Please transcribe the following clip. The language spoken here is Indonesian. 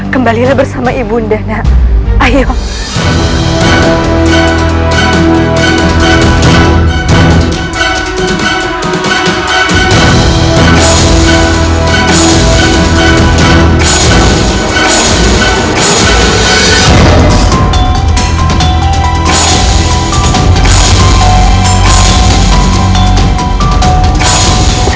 kembalilah bersama ibu undang nak